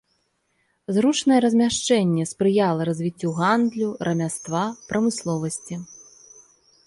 Зручнае размяшчэнне спрыяла развіццю гандлю, рамяства, прамысловасці.